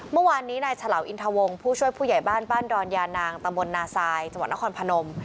เมื่อวานนี้นายฉลาวอินทวงผู้ช่วยผู้ใหญ่บ้านบ้านดอนยานางตำบลนาซายจังหวัดนครพนม